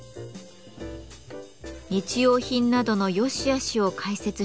日用品などのよしあしを解説したものです。